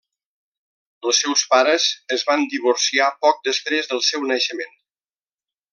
Els seus pares es van divorciar poc després del seu naixement.